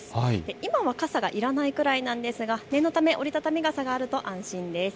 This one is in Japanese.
今は傘がいらないくらいなんですが念のため折り畳み傘があると安心です。